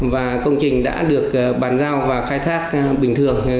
và công trình đã được bàn giao và khai thác bình thường